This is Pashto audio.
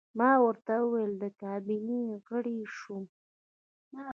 ما ورته وویل: د کابینې غړی شوم.